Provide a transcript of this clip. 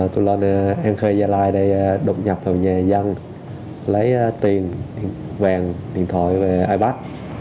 tôi là an khê gia lai đột nhập vào nhà dân lấy tiền quen điện thoại và ipad